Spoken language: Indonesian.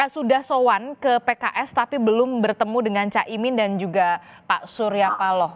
sudah soan ke pks tapi belum bertemu dengan caimin dan juga pak surya paloh